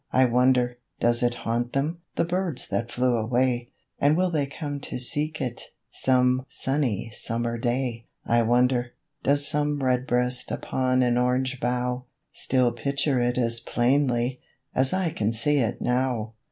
I wonder, does it haunt them, The birds that flew away? And will they come to seek it, Some sunny summer day? I wonder, does some redbreast Upon an orange bough, Still picture it as plainly As I can see it now?